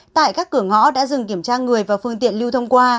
tại các cửa ngõ đã dừng kiểm tra người và phương tiện lưu thông qua